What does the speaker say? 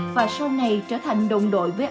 và sau này trở thành đồng đội với ông